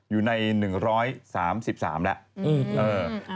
อยู่ใน๑๓๓แล้ว